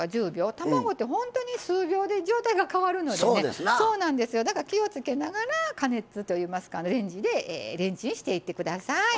卵って本当に数秒で状態が変わるのでだから気をつけながら加熱レンジでレンチンしていってください。